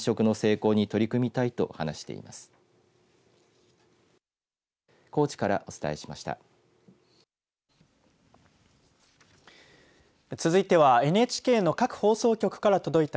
高知からお伝えしました。